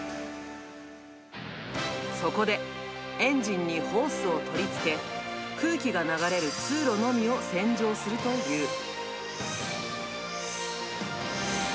そこで、エンジンにホースを取り付け、空気が流れる通路のみを洗浄するという。